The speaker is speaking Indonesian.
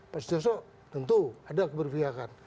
pak sutioso tentu ada keberpihakan